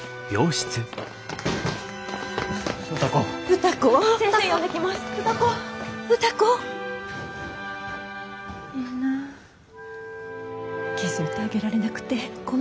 気付いてあげられなくてごめんね。